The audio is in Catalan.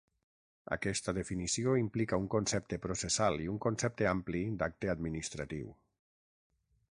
Aquesta definició implica un concepte processal i un concepte ampli d'acte administratiu.